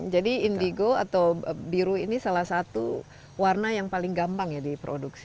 jadi indigo atau biru ini salah satu warna yang paling gampang ya di panggung